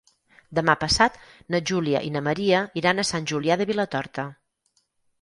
Demà passat na Júlia i na Maria iran a Sant Julià de Vilatorta.